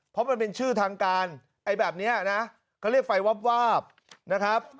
เพราะมันเป็นชื่อทางการไอ้แบบนี้นะเขาเรียกไฟวาบวาบนะครับ